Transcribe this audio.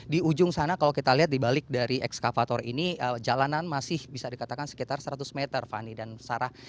di ujung sana kalau kita lihat di balik dari ekskavator ini jalanan masih bisa dikatakan sekitar seratus meter fani dan sarah